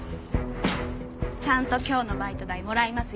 ちゃんと今日のバイト代もらいますよ。